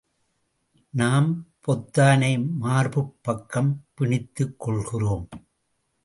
நாம் பொத்தானை மார்புப் பக்கம் பிணித்துக் கொள்கிறோம்.